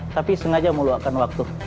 tapi sengaja mau luarkan waktu